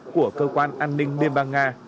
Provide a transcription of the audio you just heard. của cơ quan an ninh liên bang nga